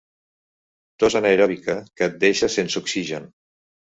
Tos anaeròbica que et deixa sense oxigen.